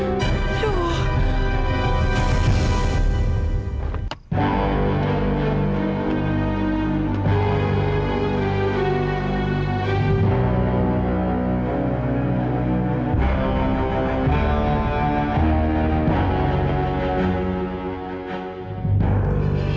aduh ini udah berakhir